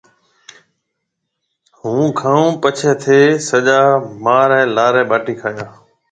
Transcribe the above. هُون کائون پڇيَ ٿَي سجا مهاريَ لاري ٻاٽِي کائيا۔